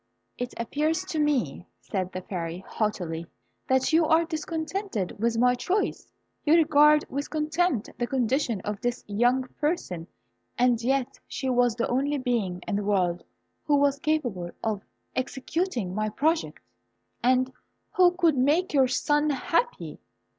"It appears to me," said the Fairy, haughtily, "that you are discontented with my choice. You regard with contempt the condition of this young person, and yet she was the only being in the world who was capable of executing my project, and who could make your son happy."